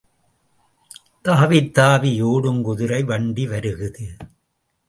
தாவித் தாவி ஓடும் குதிரை வண்டி வருகுது.